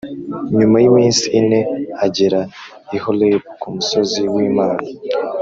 Nyuma y’iminsi ine agera i Horebu ku musozi w’Imana